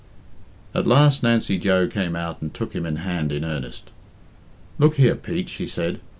At last Nancy Joe came out and took him in hand in earnest. "Look here, Pete," she said.